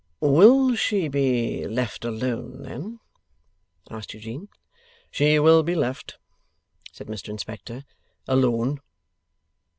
'Will she be left alone then?' asked Eugene. 'She will be left,' said Mr Inspector, 'alone.